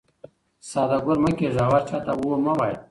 ساده ګل مه کېږه او هر چا ته هو مه وایه.